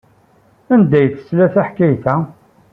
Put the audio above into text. Anda ay tesla taḥkayt-a?